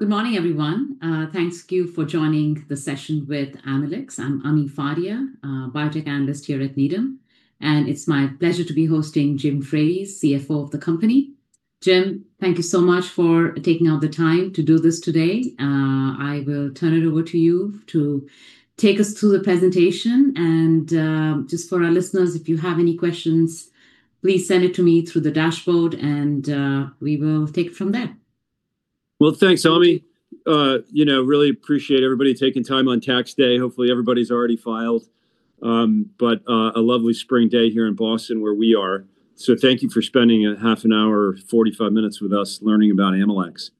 Good morning, everyone. Thank you for joining the session with Amylyx. I'm Ami Fadia, Biotech Analyst here at Needham, and it's my pleasure to be hosting Jim Frates, CFO of the company. Jim, thank you so much for taking out the time to do this today. I will turn it over to you to take us through the presentation. Just for our listeners, if you have any questions, please send it to me through the dashboard and we will take it from there. Well, thanks, Ami. I really appreciate everybody taking time on Tax Day. Hopefully, everybody's already filed. It is a lovely spring day here in Boston where we are. Thank you for spending a half an hour, 45 minutes with us learning about Amylyx.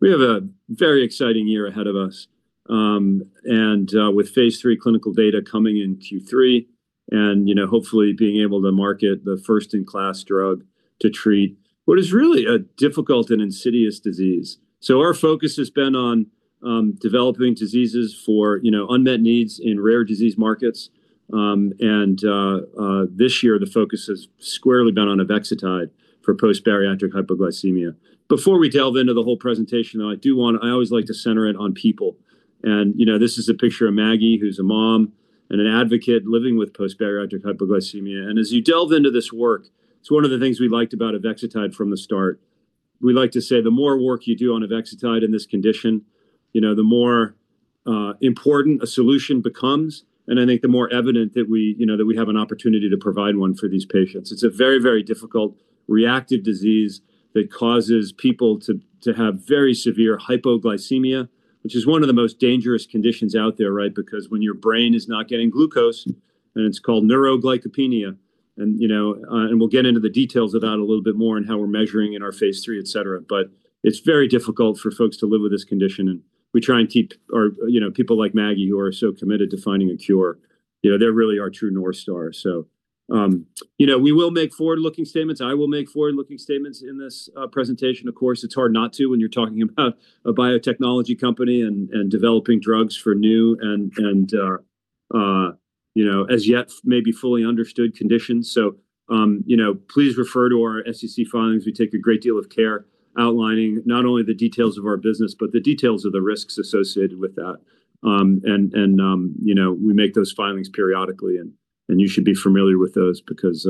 We have a very exciting year ahead of us with phase III clinical data coming in Q3 and hopefully being able to market the first-in-class drug to treat what is really a difficult and insidious disease. Our focus has been on developing diseases for unmet needs in rare disease markets. This year, the focus has squarely been on avexitide for post-bariatric hypoglycemia. Before we delve into the whole presentation, though, I always like to center it on people. This is a picture of Maggie, who's a mom and an advocate living with post-bariatric hypoglycemia. As you delve into this work, it's one of the things we liked about avexitide from the start. We like to say the more work you do on avexitide in this condition, the more important a solution becomes, and I think the more evident that we have an opportunity to provide one for these patients. It's a very difficult reactive disease that causes people to have very severe hypoglycemia, which is one of the most dangerous conditions out there, right? Because when your brain is not getting glucose, and it's called neuroglycopenia, and we'll get into the details of that a little bit more and how we're measuring in our phase III, et cetera. It's very difficult for folks to live with this condition, and we try and keep people like Maggie, who are so committed to finding a cure. They're really our true North Star. We will make forward-looking statements. I will make forward-looking statements in this presentation, of course. It's hard not to when you're talking about a biotechnology company and developing drugs for new and as yet maybe fully understood conditions. Please refer to our SEC filings. We take a great deal of care outlining not only the details of our business, but the details of the risks associated with that. We make those filings periodically, and you should be familiar with those because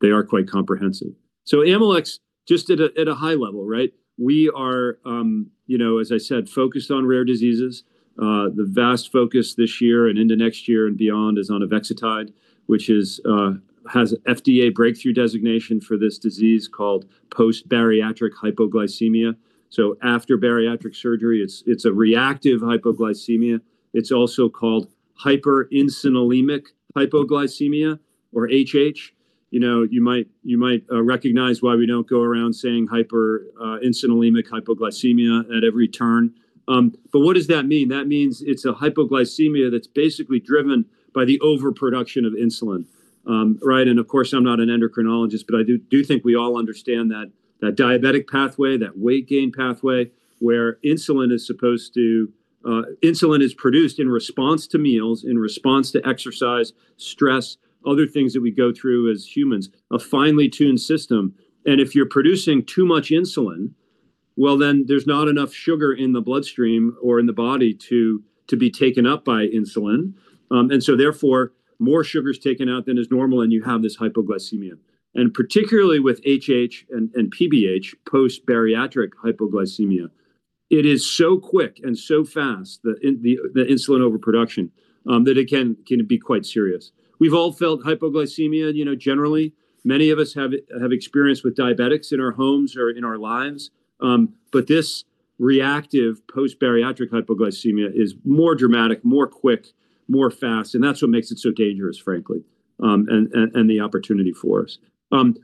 they are quite comprehensive. Amylyx, just at a high level, right? We are, as I said, focused on rare diseases. The vast focus this year and into next year and beyond is on avexitide, which has FDA Breakthrough designation for this disease called post-bariatric hypoglycemia. After bariatric surgery, it's a reactive hypoglycemia. It's also called hyperinsulinemic hypoglycemia or HH. You might recognize why we don't go around saying hyperinsulinemic hypoglycemia at every turn. What does that mean? That means it's a hypoglycemia that's basically driven by the overproduction of insulin, right? Of course, I'm not an endocrinologist, but I do think we all understand that diabetic pathway, that weight gain pathway where insulin is produced in response to meals, in response to exercise, stress, other things that we go through as humans, a finely tuned system. If you're producing too much insulin, well, then there's not enough sugar in the bloodstream or in the body to be taken up by insulin. Therefore, more sugar is taken out than is normal, and you have this hypoglycemia. Particularly with HH and PBH, post-bariatric hypoglycemia, it is so quick and so fast, the insulin overproduction, that it can be quite serious. We've all felt hypoglycemia generally. Many of us have experience with diabetics in our homes or in our lives. This reactive post-bariatric hypoglycemia is more dramatic, more quick, more fast, and that's what makes it so dangerous, frankly, and the opportunity for us.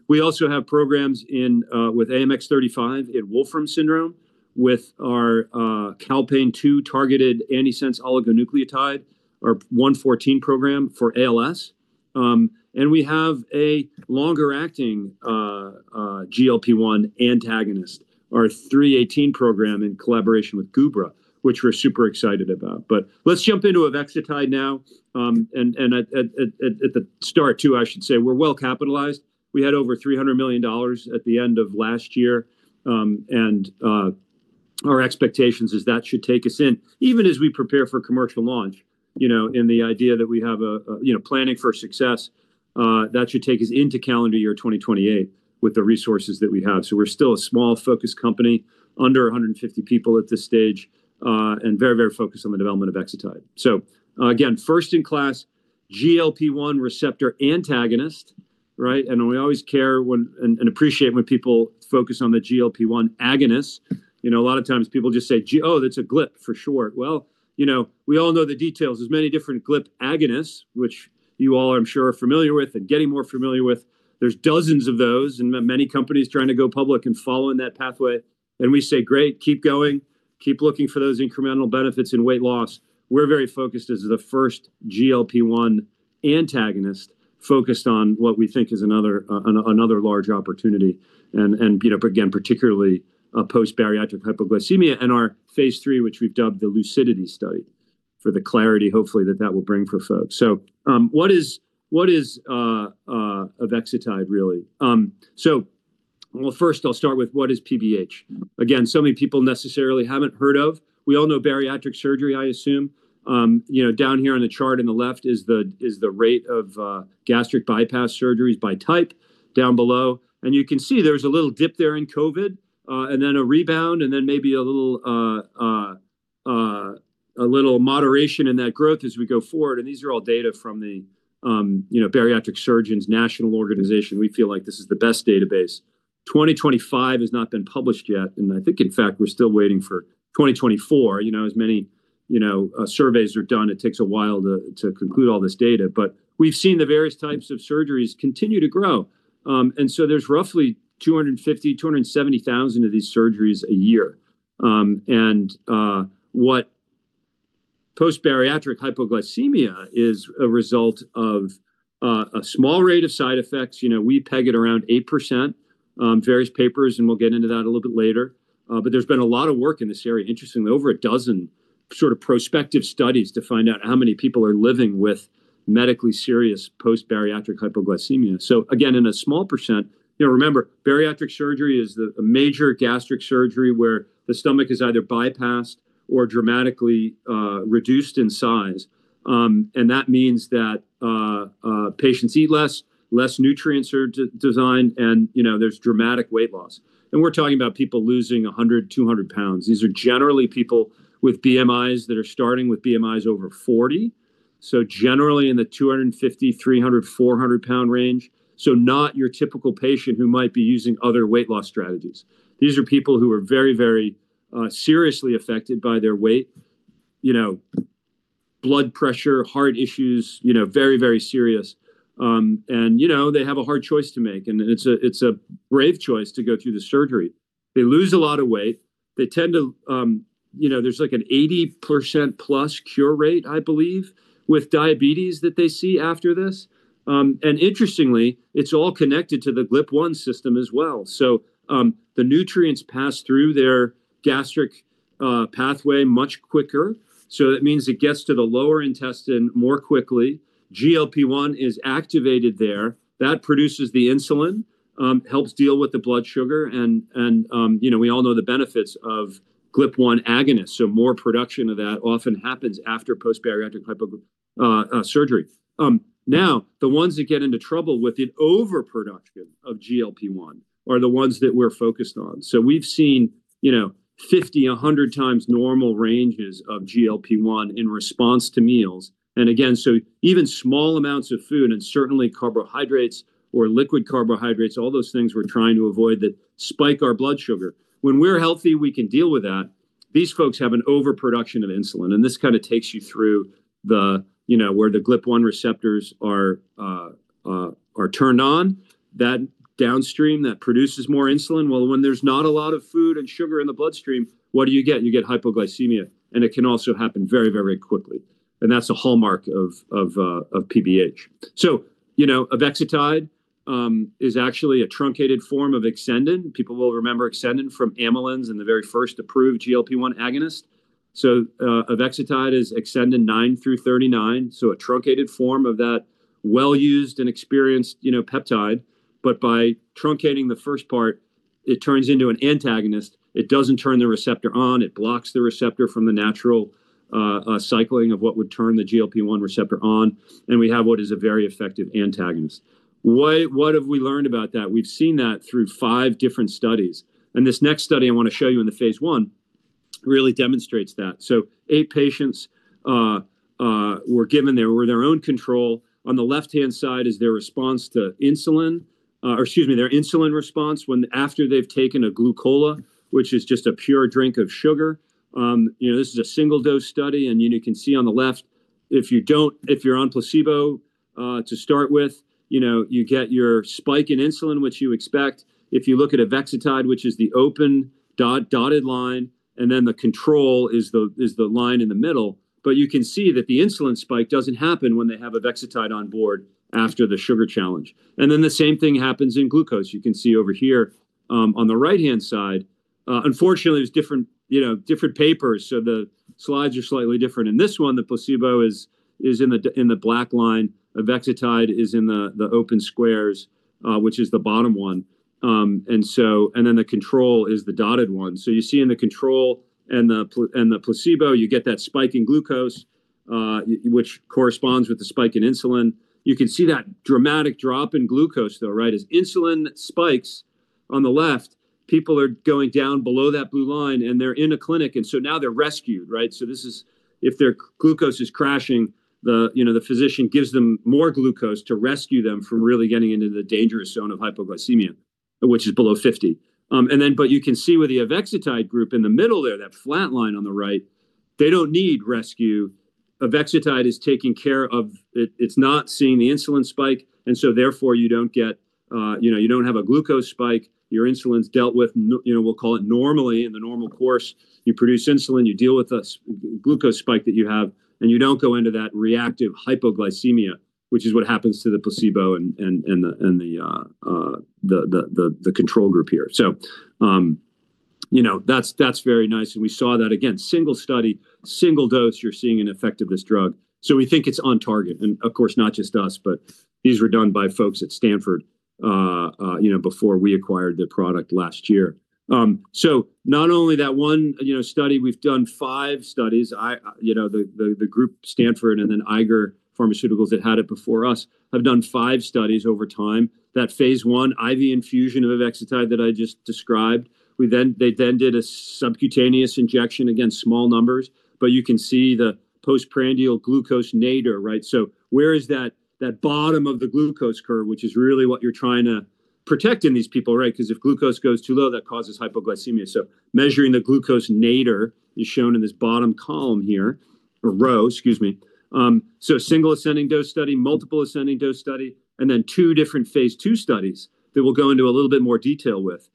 We also have programs with AMX0035 in Wolfram syndrome, with our calpain-2 targeted antisense oligonucleotide, our 114 program for ALS. We have a longer-acting GLP-1 antagonist, our 318 program in collaboration with Gubra, which we're super excited about. Let's jump into avexitide now. At the start, too, I should say we're well capitalized. We had over $300 million at the end of last year. Our expectations is that should take us in, even as we prepare for commercial launch, in the idea that we have planning for success, that should take us into calendar year 2028 with the resources that we have. We're still a small focused company, under 150 people at this stage, and very focused on the development of avexitide. Again, first-in-class, GLP-1 receptor antagonist, right? We always care and appreciate when people focus on the GLP-1 agonist. A lot of times people just say, "Oh, that's a GLP for short." Well, we all know the details. There's many different GLP agonists, which you all I'm sure are familiar with and getting more familiar with. There's dozens of those and many companies trying to go public and follow in that pathway. We say, "Great, keep going. Keep looking for those incremental benefits in weight loss. We're very focused as the first GLP-1 antagonist focused on what we think is another large opportunity, and again, particularly post-bariatric hypoglycemia in our phase III, which we've dubbed the LUCIDITY study for the clarity, hopefully, that that will bring for folks. What is avexitide, really? Well, first, I'll start with what is PBH, again, so many people necessarily haven't heard of. We all know bariatric surgery, I assume. Down here on the chart in the left is the rate of gastric bypass surgeries by type down below. You can see there's a little dip there in COVID, and then a rebound, and then maybe a little moderation in that growth as we go forward. These are all data from the Bariatric Surgeons National Organization. We feel like this is the best database. 2025 has not been published yet, and I think, in fact, we're still waiting for 2024. As many surveys are done, it takes a while to conclude all this data. We've seen the various types of surgeries continue to grow. There's roughly 250,000-270,000 of these surgeries a year. What post-bariatric hypoglycemia is a result of a small rate of side effects. We peg it around 8%, various papers, and we'll get into that a little bit later. There's been a lot of work in this area. Interestingly, over a dozen sort of prospective studies to find out how many people are living with medically serious post-bariatric hypoglycemia. Again, in a small percent, remember, bariatric surgery is a major gastric surgery where the stomach is either bypassed or dramatically reduced in size. That means that patients eat less, less nutrients are absorbed, and there's dramatic weight loss. We're talking about people losing 100 lbs, 200 lbs. These are generally people with BMIs that are starting with BMIs over 40. Generally, in the 250, 300, 400 lb range. Not your typical patient who might be using other weight loss strategies. These are people who are very, very seriously affected by their weight. Blood pressure, heart issues, very, very serious. They have a hard choice to make, and it's a brave choice to go through the surgery. They lose a lot of weight. There's like an 80%+ cure rate, I believe, with diabetes that they see after this. Interestingly, it's all connected to the GLP-1 system as well. The nutrients pass through their gastric pathway much quicker. That means it gets to the lower intestine more quickly. GLP-1 is activated there. That produces the insulin, helps deal with the blood sugar, and we all know the benefits of GLP-1 agonists. More production of that often happens after post-bariatric surgery. Now, the ones that get into trouble with an overproduction of GLP-1 are the ones that we're focused on. We've seen 50-100x normal ranges of GLP-1 in response to meals. Again, even small amounts of food and certainly carbohydrates or liquid carbohydrates, all those things we're trying to avoid that spike our blood sugar. When we're healthy, we can deal with that. These folks have an overproduction of insulin, and this kind of takes you through where the GLP-1 receptors are turned on. That downstream produces more insulin. Well, when there's not a lot of food and sugar in the bloodstream, what do you get? You get hypoglycemia, and it can also happen very, very quickly. That's a hallmark of PBH. avexitide is actually a truncated form of exendin. People will remember exendin from Amylin's in the very first approved GLP-1 agonist. Avexitide is exendin nine through 39, so a truncated form of that well-used and experienced peptide. By truncating the first part, it turns into an antagonist. It doesn't turn the receptor on. It blocks the receptor from the natural cycling of what would turn the GLP-1 receptor on. We have what is a very effective antagonist. What have we learned about that? We've seen that through five different studies. This next study I want to show you in the phase I really demonstrates that. Eight patients were given their own control. On the left-hand side is their response to insulin, or excuse me, their insulin response after they've taken a Glucola, which is just a pure drink of sugar. This is a single-dose study, and you can see on the left, if you're on placebo to start with, you get your spike in insulin, which you expect. If you look at avexitide, which is the open dotted line, and then the control is the line in the middle, but you can see that the insulin spike doesn't happen when they have avexitide on board after the sugar challenge. The same thing happens in glucose. You can see over here, on the right-hand side. Unfortunately, there's different papers, so the slides are slightly different. In this one, the placebo is in the black line. Avexitide is in the open squares, which is the bottom one. The control is the dotted one. You see in the control and the placebo, you get that spike in glucose, which corresponds with the spike in insulin. You can see that dramatic drop in glucose, though, right? As insulin spikes on the left, people are going down below that blue line, and they're in a clinic, and so now they're rescued, right? This is if their glucose is crashing, the physician gives them more glucose to rescue them from really getting into the dangerous zone of hypoglycemia, which is below 50. You can see with the avexitide group in the middle there, that flat line on the right, they don't need rescue. It's not seeing the insulin spike, and so therefore you don't have a glucose spike. Your insulin's dealt with, we'll call it normally in the normal course. You produce insulin, you deal with the glucose spike that you have, and you don't go into that reactive hypoglycemia, which is what happens to the placebo and the control group here. That's very nice. We saw that, again, single study, single dose, you're seeing an effect of this drug. We think it's on target. Of course, not just us, but these were done by folks at Stanford before we acquired the product last year. Not only that one study, we've done five studies. The group, Stanford, and then Eiger Pharmaceuticals that had it before us, have done five studies over time. That phase I IV infusion of avexitide that I just described, they then did a subcutaneous injection again, small numbers. You can see the postprandial glucose nadir, right? Where is that bottom of the glucose curve, which is really what you're trying to protect in these people, right? Because if glucose goes too low, that causes hypoglycemia. Measuring the glucose nadir is shown in this bottom column here, or row, excuse me. A single ascending dose study, multiple ascending dose study, and then two different phase II studies that we'll go into a little bit more detail with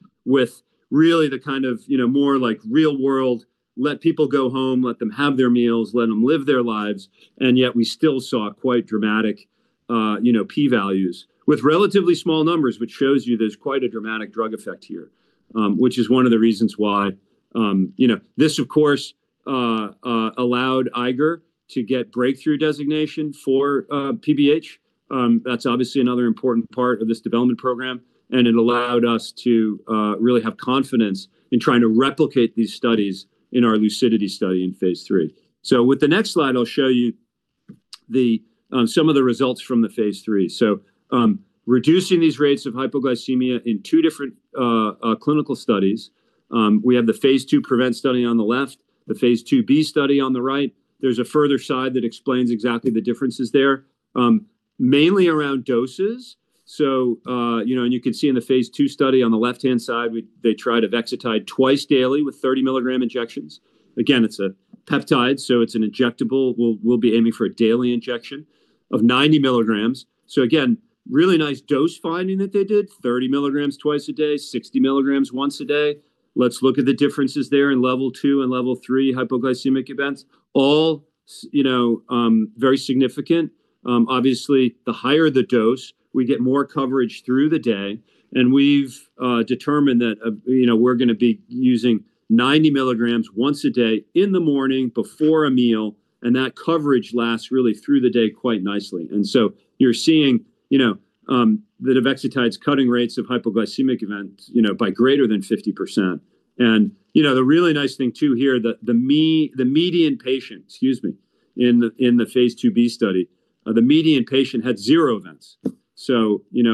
really the kind of more real-world, let people go home, let them have their meals, let them live their lives, and yet we still saw quite dramatic p-values with relatively small numbers, which shows you there's quite a dramatic drug effect here, which is one of the reasons why this, of course, allowed Eiger to get Breakthrough designation for PBH. That's obviously another important part of this development program, and it allowed us to really have confidence in trying to replicate these studies in our LUCIDITY study in phase III. With the next slide, I'll show you some of the results from the phase III. Reducing these rates of hypoglycemia in two different clinical studies. We have the phase II PREVENT study on the left, the phase II-B study on the right. There's a further slide that explains exactly the differences there, mainly around doses. You can see in the phase II study on the left-hand side, they tried avexitide twice daily with 30 mg injections. Again, it's a peptide, so it's an injectable. We'll be aiming for a daily injection of 90 mg. Again, really nice dose finding that they did 30 mg twice a day, 60 mg once a day. Let's look at the differences there in level two and level three hypoglycemic events. All very significant. Obviously, the higher the dose, we get more coverage through the day, and we've determined that we're going to be using 90 mg once a day in the morning before a meal, and that coverage lasts really through the day quite nicely. You're seeing that avexitide's cutting rates of hypoglycemic events by greater than 50%. The really nice thing, too, here, the median patient in the phase II-B study, the median patient had zero events.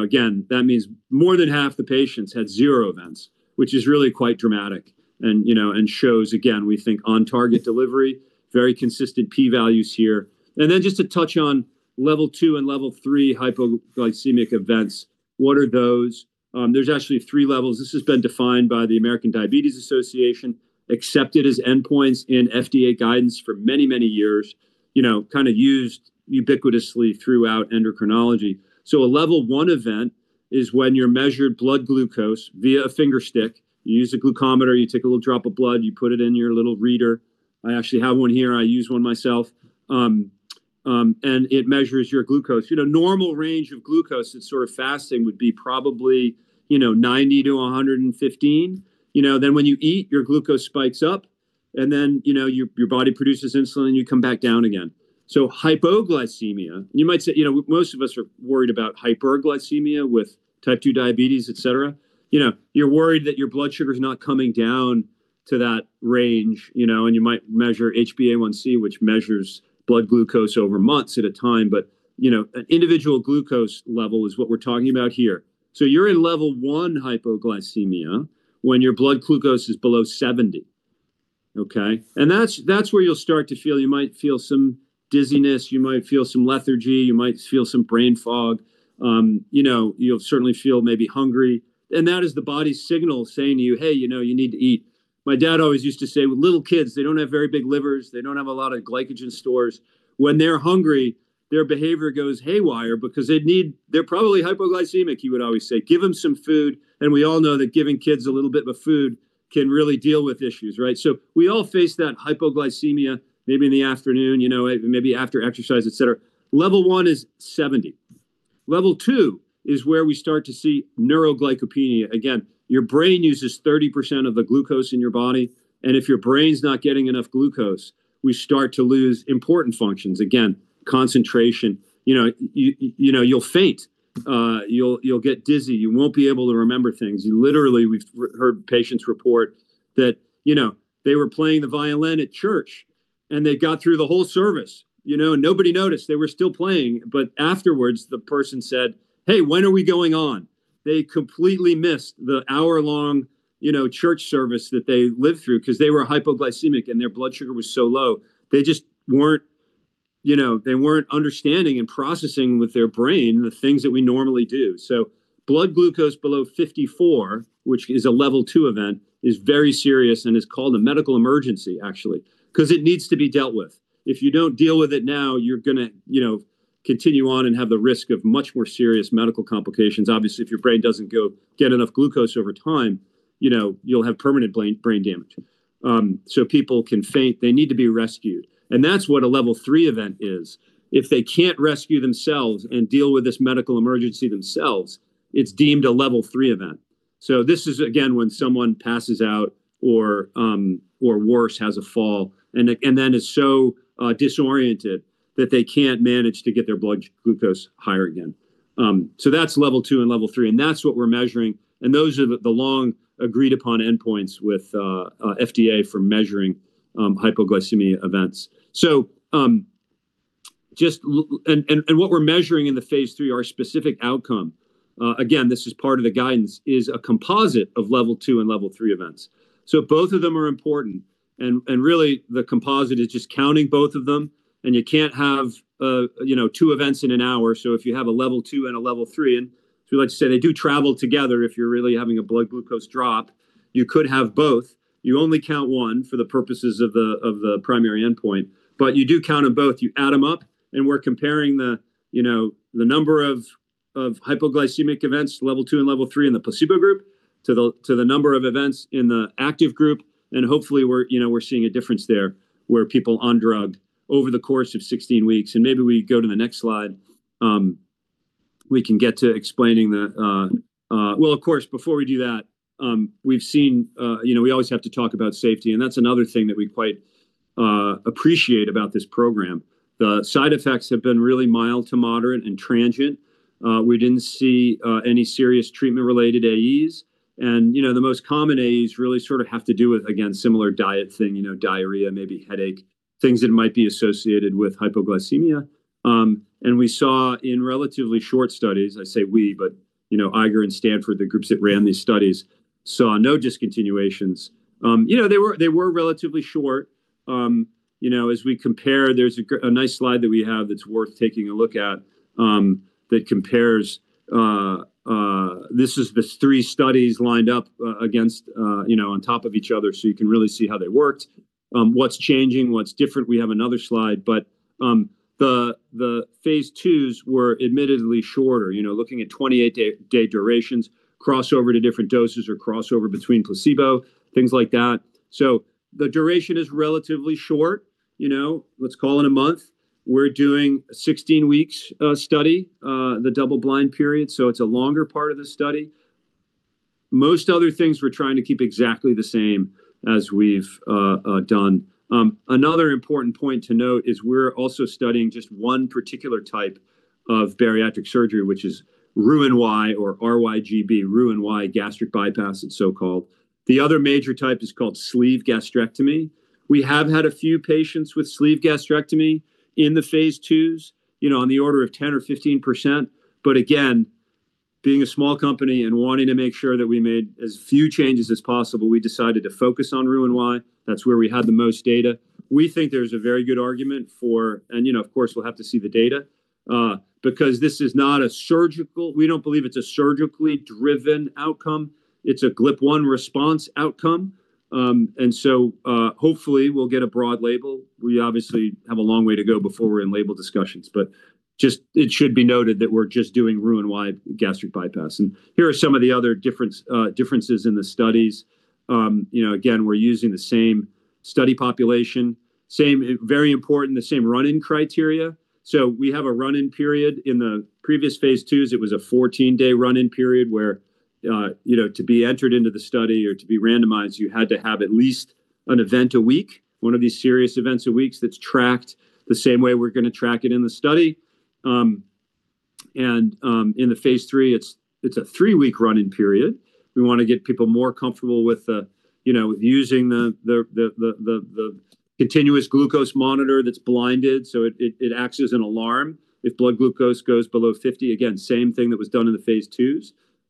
Again, that means more than half the patients had zero events, which is really quite dramatic and shows, again, we think, on target delivery, very consistent p-values here. Just to touch on level two and level three hypoglycemic events. What are those? There's actually three levels. This has been defined by the American Diabetes Association, accepted as endpoints in FDA guidance for many years, kind of used ubiquitously throughout endocrinology. A level one event is when your measured blood glucose via a finger stick, you use a glucometer, you take a little drop of blood, you put it in your little reader. I actually have one here. I use one myself. It measures your glucose. Normal range of glucose at sort of fasting would be probably 90-115. When you eat, your glucose spikes up, and then your body produces insulin, and you come back down again. Hypoglycemia, most of us are worried about hyperglycemia with type two diabetes, et cetera. You're worried that your blood sugar's not coming down to that range, and you might measure HbA1c, which measures blood glucose over months at a time. An individual glucose level is what we're talking about here. You're in level one hypoglycemia when your blood glucose is below 70, okay? That's where you'll start to feel, you might feel some dizziness. You might feel some lethargy. You might feel some brain fog. You'll certainly feel maybe hungry. That is the body's signal saying to you, "Hey, you need to eat." My dad always used to say with little kids, they don't have very big livers. They don't have a lot of glycogen stores. When they're hungry, their behavior goes haywire because they're probably hypoglycemic, he would always say. Give them some food, and we all know that giving kids a little bit of food can really deal with issues, right? We all face that hypoglycemia maybe in the afternoon, maybe after exercise, et cetera. Level one is 70. Level two is where we start to see neuroglycopenia. Again, your brain uses 30% of the glucose in your body, and if your brain's not getting enough glucose, we start to lose important functions, again, concentration. You'll faint. You'll get dizzy. You won't be able to remember things. Literally, we've heard patients report that they were playing the violin at church, and they got through the whole service, and nobody noticed. They were still playing, but afterwards, the person said, "Hey, when are we going on?" They completely missed the hour-long church service that they lived through because they were hypoglycemic and their blood sugar was so low. They just weren't understanding and processing with their brain the things that we normally do. Blood glucose below 54, which is a level two event, is very serious and is called a medical emergency, actually, because it needs to be dealt with. If you don't deal with it now, you're going to continue on and have the risk of much more serious medical complications. Obviously, if your brain doesn't get enough glucose over time, you'll have permanent brain damage. People can faint. They need to be rescued. That's what a level three event is. If they can't rescue themselves and deal with this medical emergency themselves, it's deemed a level three event. This is, again, when someone passes out or, worse, has a fall, and then is so disoriented that they can't manage to get their blood glucose higher again. That's level two and level three, and that's what we're measuring. Those are the long agreed upon endpoints with FDA for measuring hypoglycemia events. What we're measuring in the phase III, our specific outcome, again, this is part of the guidance, is a composite of level two and level three events. Both of them are important, and really the composite is just counting both of them, and you can't have two events in an hour. If you have a level two and a level three, and like you say, they do travel together if you're really having a blood glucose drop, you could have both. You only count one for the purposes of the primary endpoint, but you do count them both. You add them up, and we're comparing the number of hypoglycemic events, level two and level three in the placebo group to the number of events in the active group. Hopefully, we're seeing a difference there where people on drug over the course of 16 weeks, and maybe we go to the next slide. Well, of course, before we do that, we always have to talk about safety, and that's another thing that we quite appreciate about this program. The side effects have been really mild to moderate and transient. We didn't see any serious treatment-related AEs. The most common AEs really sort of have to do with, again, similar diet thing, diarrhea, maybe headache, things that might be associated with hypoglycemia. We saw in relatively short studies, I say we, but Eiger and Stanford, the groups that ran these studies, saw no discontinuations. They were relatively short. As we compare, there's a nice slide that we have that's worth taking a look at. This is the three studies lined up on top of each other, so you can really see how they worked. What's changing, what's different, we have another slide. The phase IIs were admittedly shorter. Looking at 28-day durations, crossover to different doses or crossover between placebo, things like that. The duration is relatively short. Let's call it a month. We're doing 16 weeks study, the double-blind period, so it's a longer part of the study. Most other things we're trying to keep exactly the same as we've done. Another important point to note is we're also studying just one particular type of bariatric surgery, which is Roux-en-Y, or RYGB, Roux-en-Y gastric bypass, it's so called. The other major type is called sleeve gastrectomy. We have had a few patients with sleeve gastrectomy in the phase IIs, on the order of 10% or 15%. Again, being a small company and wanting to make sure that we made as few changes as possible, we decided to focus on Roux-en-Y. That's where we had the most data. We think there's a very good argument for, and of course, we'll have to see the data, because this is not a surgical, we don't believe it's a surgically driven outcome. It's a GLP-1 response outcome. Hopefully we'll get a broad label. We obviously have a long way to go before we're in label discussions. It should be noted that we're just doing Roux-en-Y gastric bypass. Here are some of the other differences in the studies. Again, we're using the same study population, very important, the same run-in criteria. We have a run-in period. In the previous phase IIs, it was a 14-day run-in period where to be entered into the study or to be randomized, you had to have at least an event a week, one of these serious events a week that's tracked the same way we're going to track it in the study. In the phase III, it's a three-week run-in period. We want to get people more comfortable with using the continuous glucose monitor that's blinded, so it acts as an alarm if blood glucose goes below 50, again, same thing that was done in the phase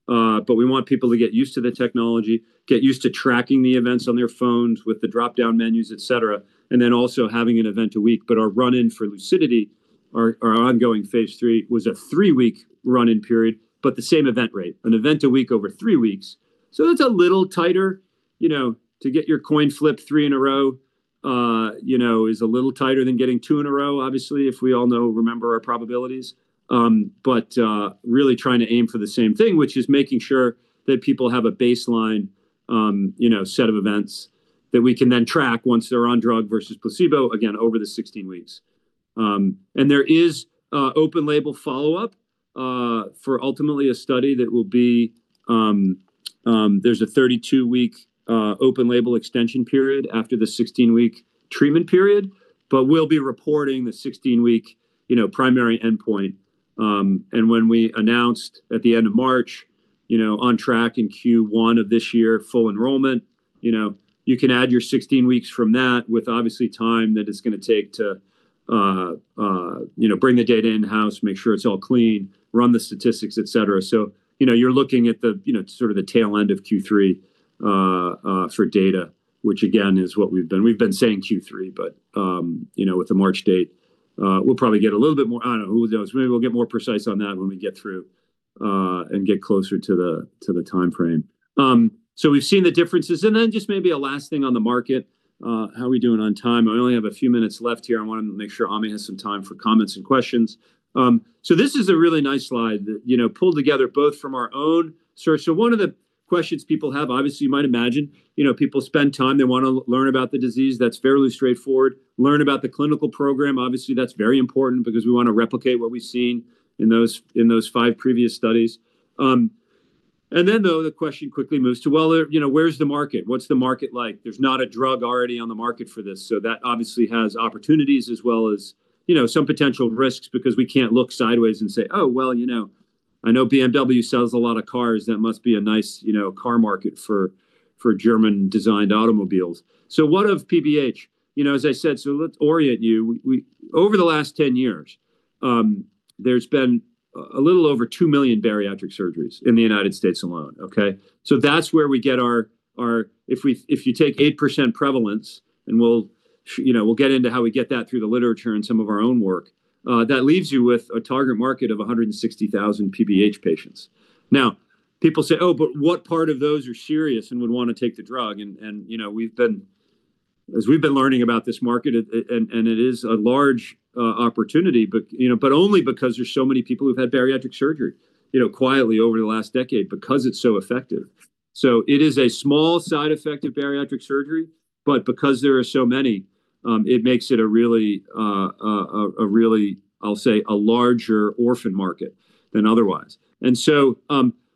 IIs. We want people to get used to the technology, get used to tracking the events on their phones with the dropdown menus, et cetera, and then also having an event a week. Our run-in for LUCIDITY, our ongoing phase III, was a three-week run-in period, but the same event rate, an event a week over three weeks. That's a little tighter. To get your coin flipped three in a row is a little tighter than getting two in a row, obviously, if we all remember our probabilities. Really trying to aim for the same thing, which is making sure that people have a baseline set of events that we can then track once they're on drug versus placebo, again, over the 16 weeks. There's a 32-week open label extension period after the 16-week treatment period. We'll be reporting the 16-week primary endpoint. When we announced at the end of March on track in Q1 of this year, full enrollment, you can add your 16 weeks from that with obviously time that it's going to take to bring the data in-house, make sure it's all clean, run the statistics, et cetera. You're looking at the sort of the tail end of Q3 for data, which again is what we've been saying, Q3, but with the March date, we'll probably get a little bit more, I don't know. Who knows? Maybe we'll get more precise on that when we get through and get closer to the timeframe. We've seen the differences. Just maybe a last thing on the market. How we doing on time? I only have a few minutes left here. I want to make sure Ami has some time for comments and questions. This is a really nice slide that pulled together both from our own research. One of the questions people have, obviously, you might imagine, people spend time, they want to learn about the disease. That's fairly straightforward. Learn about the clinical program. Obviously, that's very important because we want to replicate what we've seen in those five previous studies. Though the question quickly moves to, well, where's the market? What's the market like? There's not a drug already on the market for this, so that obviously has opportunities as well as some potential risks because we can't look sideways and say, "Oh, well, I know BMW sells a lot of cars. That must be a nice car market for German-designed automobiles." What of PBH? As I said, so let's orient you. Over the last 10 years, there's been a little over 2 million bariatric surgeries in the United States alone. Okay? If you take 8% prevalence, and we'll get into how we get that through the literature and some of our own work, that leaves you with a target market of 160,000 PBH patients. Now, people say, "Oh, what part of those are serious and would want to take the drug?" As we've been learning about this market, and it is a large opportunity, but only because there's so many people who've had bariatric surgery quietly over the last decade because it's so effective. It is a small side effect of bariatric surgery, but because there are so many, it makes it a really, I'll say, a larger orphan market than otherwise.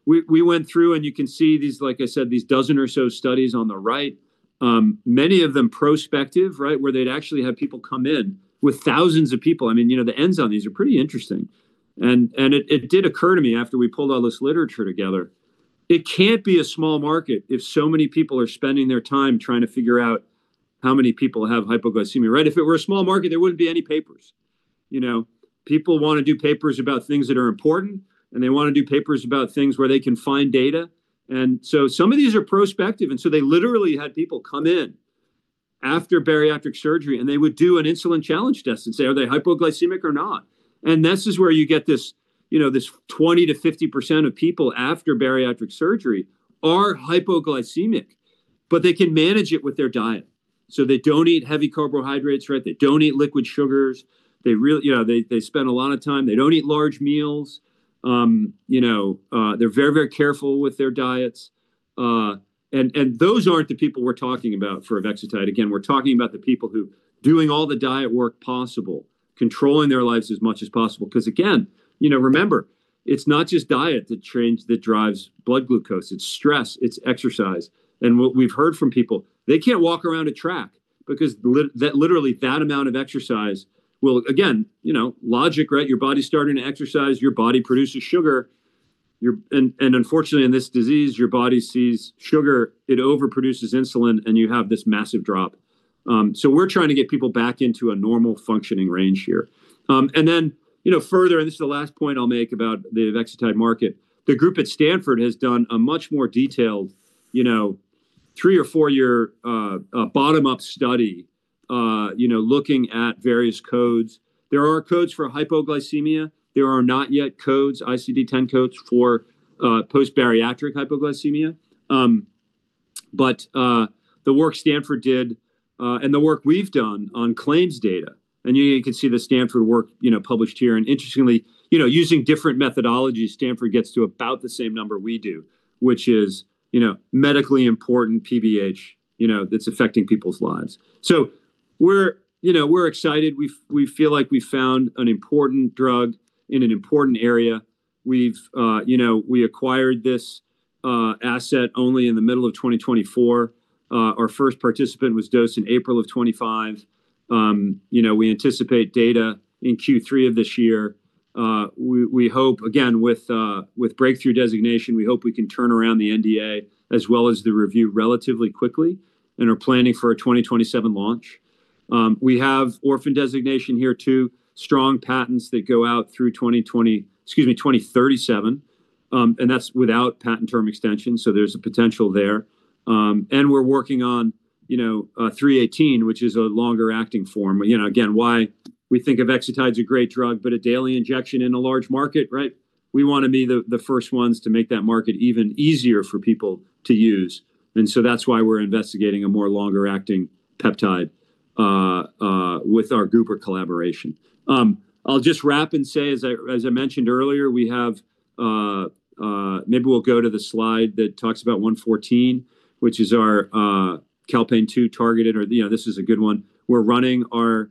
We went through and you can see, like I said, these 12 or so studies on the right. Many of them prospective, right, where they'd actually have people come in with thousands of people. The Ns on these are pretty interesting. It did occur to me after we pulled all this literature together, it can't be a small market if so many people are spending their time trying to figure out how many people have hypoglycemia, right? If it were a small market, there wouldn't be any papers. People want to do papers about things that are important, and they want to do papers about things where they can find data. Some of these are prospective, and so they literally had people come in after bariatric surgery, and they would do an insulin challenge test and say, "Are they hypoglycemic or not?" This is where you get this 20%-50% of people after bariatric surgery are hypoglycemic, but they can manage it with their diet. They don't eat heavy carbohydrates, right? They don't eat liquid sugars. They spend a lot of time. They don't eat large meals. They're very, very careful with their diets. Those aren't the people we're talking about for avexitide. Again, we're talking about the people who doing all the diet work possible, controlling their lives as much as possible. Because again, remember, it's not just diet that drives blood glucose. It's stress, it's exercise. What we've heard from people, they can't walk around a track because literally that amount of exercise will, again, logic, right? Your body's starting to exercise, your body produces sugar. Unfortunately in this disease, your body sees sugar, it overproduces insulin, and you have this massive drop. We're trying to get people back into a normal functioning range here. Further, and this is the last point I'll make about the avexitide market, the group at Stanford has done a much more detailed three or four-year, bottom-up study looking at various codes. There are codes for hypoglycemia. There are not yet codes, ICD-10 codes, for post-bariatric hypoglycemia. The work Stanford did, and the work we've done on claims data, and you can see the Stanford work published here, and interestingly, using different methodologies, Stanford gets to about the same number we do, which is medically important PBH, that's affecting people's lives. We're excited. We feel like we've found an important drug in an important area. We acquired this asset only in the middle of 2024. Our first participant was dosed in April of 2025. We anticipate data in Q3 of this year. We hope, again, with Breakthrough Designation, we hope we can turn around the NDA as well as the review relatively quickly and are planning for a 2027 launch. We have Orphan Designation here, too. Strong patents that go out through 2037. That's without Patent Term Extension, so there's a potential there. We're working on 318, which is a longer acting form. Again, why we think avexitide is a great drug, but a daily injection in a large market, right? We want to be the first ones to make that market even easier for people to use. That's why we're investigating a more longer-acting peptide with our Gubra collaboration. I'll just wrap and say, as I mentioned earlier, maybe we'll go to the slide that talks about 114, which is our calpain-2 targeted, or this is a good one. We're running our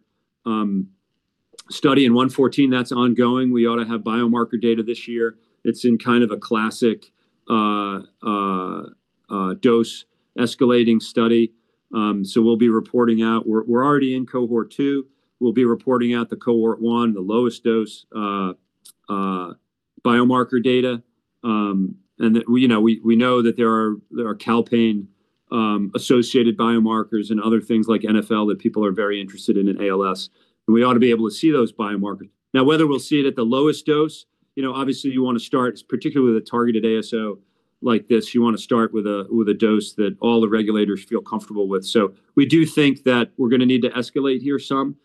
study in 114 that's ongoing. We ought to have biomarker data this year. It's in kind of a classic dose escalating study. We'll be reporting out. We're already in cohort 2. We'll be reporting out the cohort 1, the lowest dose biomarker data. We know that there are calpain-associated biomarkers and other things like NfL that people are very interested in in ALS, and we ought to be able to see those biomarkers. Now, whether we'll see it at the lowest dose, obviously you want to start, particularly with a targeted ASO like this, with a dose that all the regulators feel comfortable with. We do think that we're going to need to escalate here some,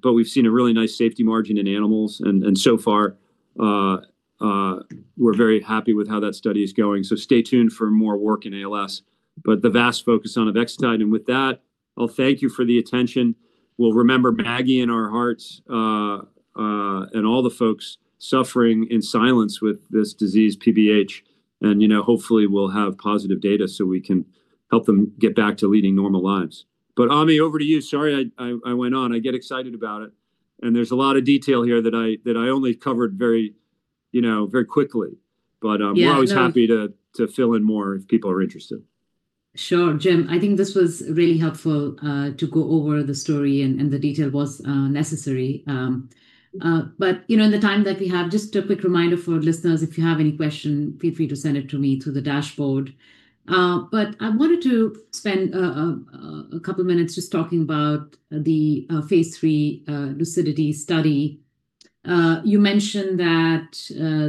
but we've seen a really nice safety margin in animals, and so far, we're very happy with how that study is going. Stay tuned for more work in ALS. The vast focus is on avexitide, and with that, I'll thank you for the attention. We'll remember Maggie in our hearts, and all the folks suffering in silence with this disease, PBH. Hopefully, we'll have positive data so we can help them get back to leading normal lives. Ami, over to you. Sorry, I went on. I get excited about it. There's a lot of detail here that I only covered very quickly. Yeah, no. We're always happy to fill in more if people are interested. Sure. Jim, I think this was really helpful to go over the story, and the detail was necessary. In the time that we have, just a quick reminder for listeners, if you have any questions, feel free to send it to me through the dashboard. I wanted to spend a couple of minutes just talking about the phase III LUCIDITY study. You mentioned that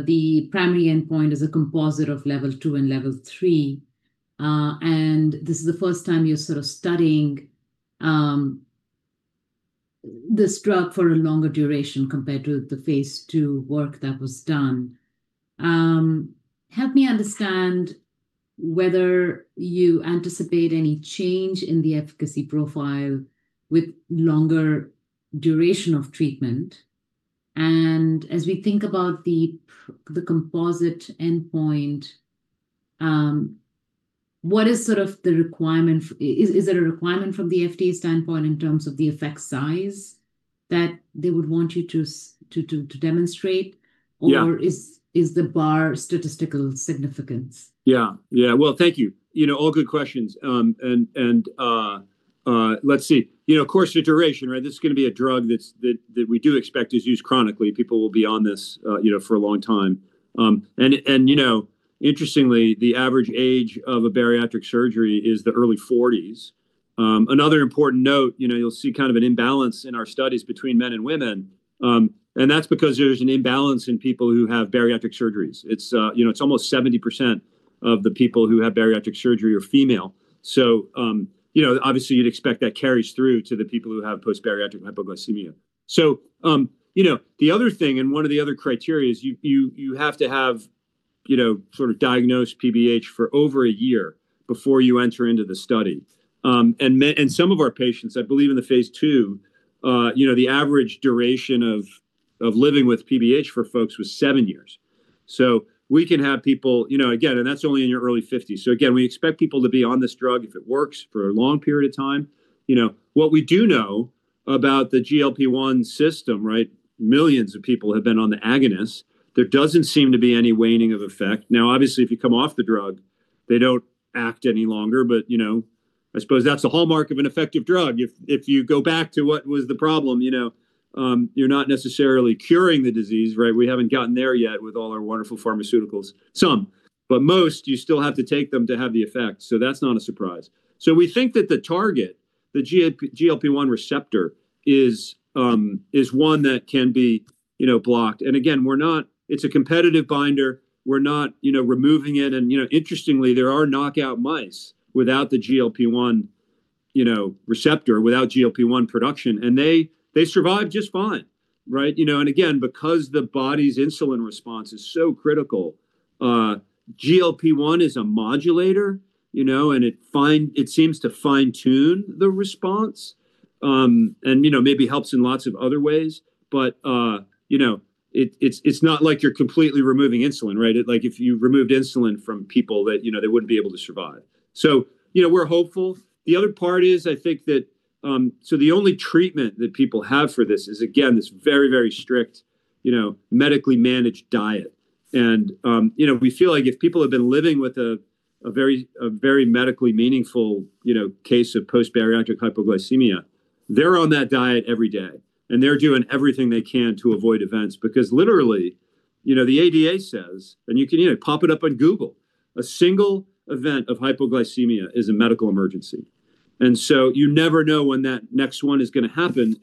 the primary endpoint is a composite of level two and level three, and this is the first time you're sort of studying this drug for a longer duration compared to the phase II work that was done. Help me understand whether you anticipate any change in the efficacy profile with longer duration of treatment. As we think about the composite endpoint, is there a requirement from the FDA standpoint in terms of the effect size that they would want you to demonstrate? Yeah. Is the bar statistical significance? Yeah. Well, thank you. All good questions. Let's see. Of course, the duration, right? This is going to be a drug that we do expect is used chronically. People will be on this for a long time. Interestingly, the average age of a bariatric surgery is the early 40s. Another important note, you'll see kind of an imbalance in our studies between men and women, and that's because there's an imbalance in people who have bariatric surgeries. It's almost 70% of the people who have bariatric surgery are female. Obviously you'd expect that carries through to the people who have post-bariatric hypoglycemia. The other thing, and one of the other criteria is you have to have sort of diagnosed PBH for over a year before you enter into the study. Some of our patients, I believe in the phase II, the average duration of living with PBH for folks was seven years. We can have people, again, and that's only in your early 50s. Again, we expect people to be on this drug, if it works, for a long period of time. What we do know about the GLP-1 system, right, millions of people have been on the agonist. There doesn't seem to be any waning of effect. Now, obviously, if you come off the drug, they don't act any longer, but I suppose that's the hallmark of an effective drug. If you go back to what was the problem, you're not necessarily curing the disease, right? We haven't gotten there yet with all our wonderful pharmaceuticals. Some, but most you still have to take them to have the effect, so that's not a surprise. We think that the target, the GLP-1 receptor is one that can be blocked and again we're not. It's a competitive binder we're not removing at [an intresting later or knocked out minds], without the GLP-1 receptor without the GLP production and they survived just fine, right? Again, because the body's insulin response is so critical, GLP-1 is a modulator, and it seems to fine-tune the response and maybe helps in lots of other ways, but it's not like you're completely removing insulin, right? If like you removed insulin from people, they won't be able to survive. So, were hopeful. The other part is I think that, so ṭhe only treatment that people have for this is again, this very very strict medically managed diet. We feel like if people have been living with a very medically meaningful case of post-bariatric hypoglycemia, they're on that diet every day, and they're doing everything they can to avoid events. Because literally, the ADA says, and you can pop it up on Google, a single event of hypoglycemia is a medical emergency, and so you never know when that next one is going to happen.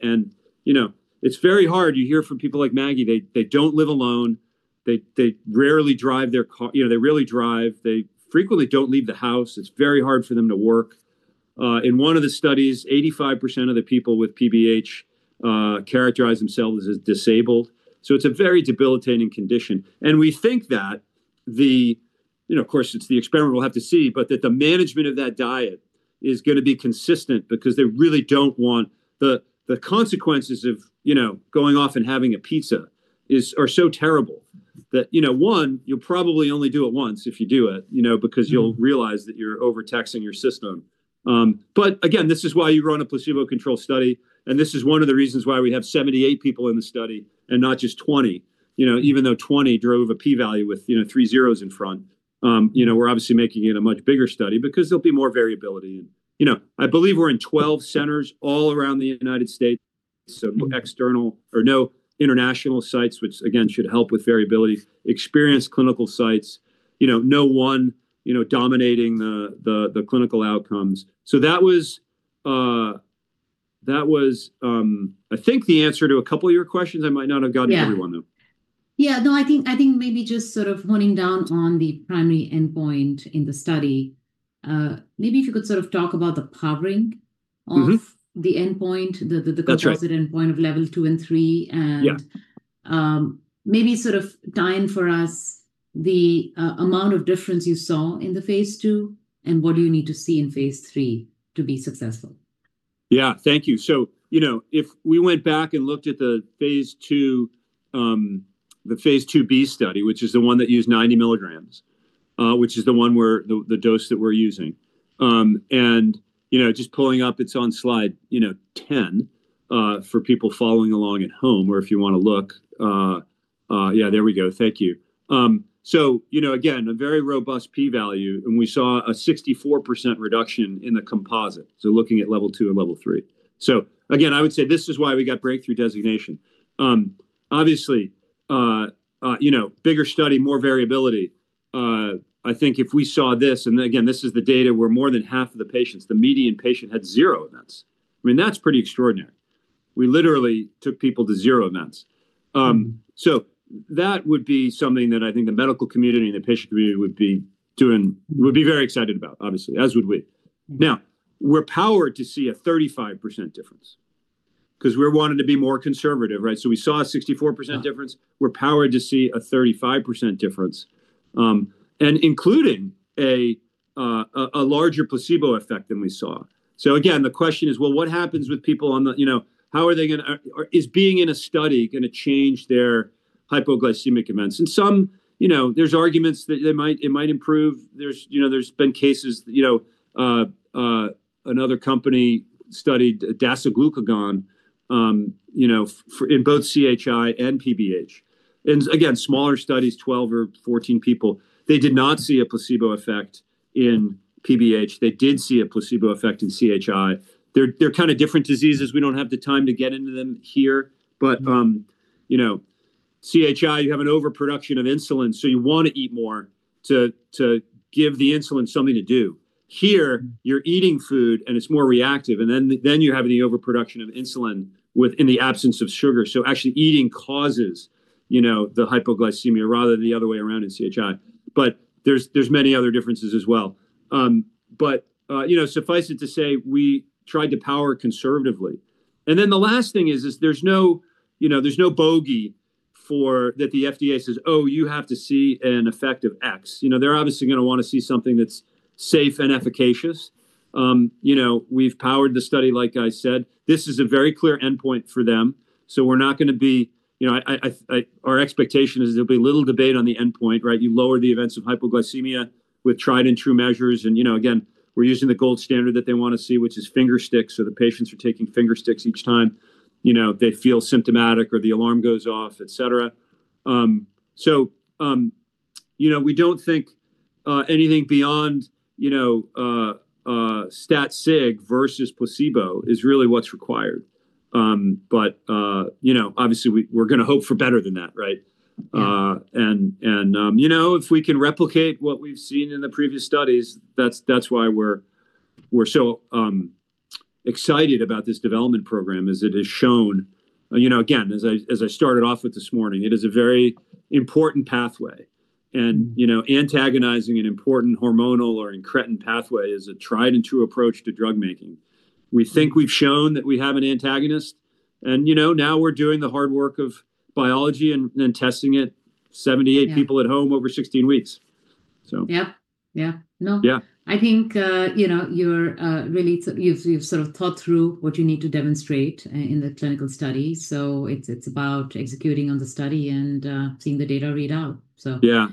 It's very hard. You hear from people like Maggie, they don't live alone. They rarely drive their car. They frequently don't leave the house. It's very hard for them to work. In one of the studies, 85% of the people with PBH characterized themselves as disabled, so it's a very debilitating condition. We think that, of course, it's the experiment, we'll have to see, but that the management of that diet is going to be consistent because they really don't want the consequences of going off and having a pizza are so terrible that, one, you'll probably only do it once if you do it because you'll realize that you're overtaxing your system. Again, this is why you run a placebo-controlled study, and this is one of the reasons why we have 78 people in the study and not just 20. Even though 20 drove a p-value with three zeros in front. We're obviously making it a much bigger study because there'll be more variability, and I believe we're in 12 centers all around the United States. No international sites, which again, should help with variability. Experienced clinical sites. No one dominating the clinical outcomes. That was I think the answer to a couple of your questions. I might not have gotten to everyone, though. Yeah. No, I think maybe just sort of honing down on the primary endpoint in the study. Maybe if you could sort of talk about the powering of. Mm-hmm The endpoint. That's right. Composite endpoint of level two and three. Yeah Maybe sort of define for us the amount of difference you saw in the phase II. What do you need to see in phase III to be successful? Yeah. Thank you. If we went back and looked at the phase II-B study, which is the one that used 90 mg, which is the one where the dose that we're using. Just pulling up, it's on slide 10 for people following along at home or if you want to look. Yeah, there we go. Thank you. Again, a very robust p-value, and we saw a 64% reduction in the composite, so looking at level two and level three. Again, I would say this is why we got Breakthrough Therapy designation. Obviously, bigger study, more variability. I think if we saw this, and again, this is the data where more than half of the patients, the median patient, had zero events. That's pretty extraordinary. We literally took people to zero events. That would be something that I think the medical community and the patient community would be very excited about, obviously, as would we. Now, we're powered to see a 35% difference because we're wanting to be more conservative, right? We saw a 64% difference. We're powered to see a 35% difference, and including a larger placebo effect than we saw. Again, the question is, well, what happens with people? Is being in a study going to change their hypoglycemic events? There's arguments that it might improve. There's been cases. Another company studied dasiglucagon in both CHI and PBH. Again, smaller studies, 12 or 14 people. They did not see a placebo effect in PBH. They did see a placebo effect in CHI. They're kind of different diseases. We don't have the time to get into them here. Mm-hmm CHI, you have an overproduction of insulin, so you want to eat more to give the insulin something to do. Here, you're eating food, and it's more reactive, and then you have the overproduction of insulin in the absence of sugar. Actually eating causes the hypoglycemia rather than the other way around in CHI. There's many other differences as well. Suffice it to say, we tried to power conservatively. The last thing is, there's no bogey that the FDA says, "Oh, you have to see an effect of X." They're obviously going to want to see something that's safe and efficacious. We've powered the study, like I said. This is a very clear endpoint for them. Our expectation is there'll be little debate on the endpoint, right? You lower the events of hypoglycemia with tried-and-true measures. Again, we're using the gold standard that they want to see, which is finger sticks, so the patients are taking finger sticks each time they feel symptomatic or the alarm goes off, et cetera. We don't think anything beyond stat sig versus placebo is really what's required. Obviously, we're going to hope for better than that, right? Yeah. If we can replicate what we've seen in the previous studies, that's why we're so excited about this development program, as it has shown. Again, as I started off with this morning, it is a very important pathway. Antagonizing an important hormonal or incretin pathway is a tried and true approach to drug making. We think we've shown that we have an antagonist, and now we're doing the hard work of biology and then testing it, 78 people. Yeah At home over 16 weeks. Yep. Yeah. No. Yeah. I think you've sort of thought through what you need to demonstrate in the clinical study, so it's about executing on the study and seeing the data readout. Yeah.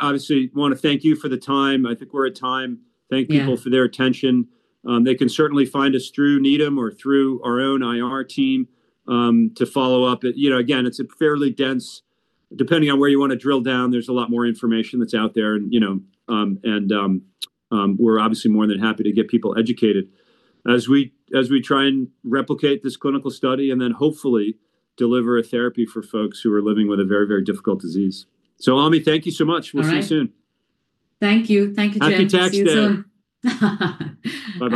Obviously, I want to thank you for the time. I think we're at time. Yeah. Thank people for their attention. They can certainly find us through Needham or through our own IR team, to follow up. Again, it's fairly dense. Depending on where you want to drill down, there's a lot more information that's out there. We're obviously more than happy to get people educated as we try and replicate this clinical study, and then hopefully deliver a therapy for folks who are living with a very, very difficult disease. Ami, thank you so much. All right. We'll see you soon. Thank you. Thank you, Jim. See you soon. Happy Tax Day. Bye.